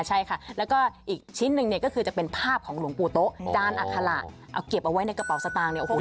ใช่ค่ะแล้วก็อีกชิ้นหนึ่งเนี่ยก็คือจะเป็นภาพของหลวงปู่โต๊ะจานอัคละเอาเก็บเอาไว้ในกระเป๋าสตางค์เนี่ยโอ้โห